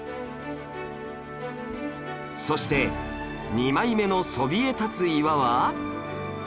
そして２枚目のそびえ立つ岩は